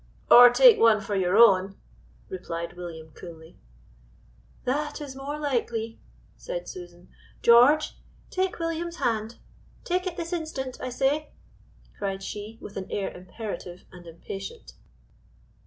"Or take one for your own," replied William coolly. "That is more likely," said Susan. "George, take William's hand; take it this instant, I say," cried she, with an air imperative and impatient.